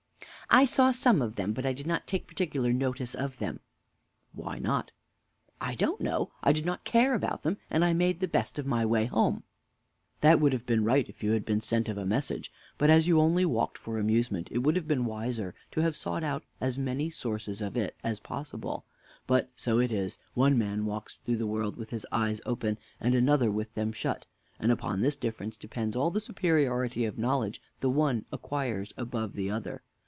R. I saw some of them, but I did not take particular notice of them. Mr. A. Why not? R. I don't know. I did not care about them, and I made the best of my way home. Mr. A. That would have been right if you had been sent of a message; but as you only walked for amusement it would have been wiser to have sought out as many sources of it as possible. But so it is one man walks through the world with his eyes open, and another with them shut; and upon this difference depends all the superiority of knowledge the one acquires above the other.